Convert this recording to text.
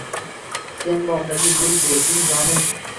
Sen bog‘dagi gul bo‘lding, jonim